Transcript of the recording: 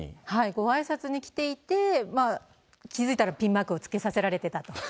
ごあいさつに来ていて、気付いたら、ピンマイクをつけさせられてたと。